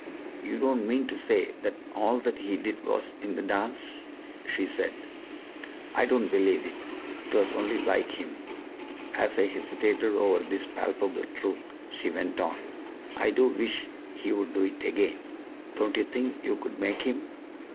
"You don't mean to say that all that he did was in the dance?" she said. "I don't believe it. It was only like him." As I hesitated over this palpable truth, she went on: "I do wish he'd do it again. Don't you think you could make him?"